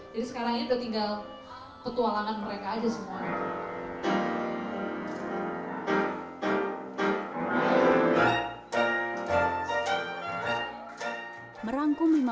jadi sekarang ini sudah tinggal petualangan mereka saja semua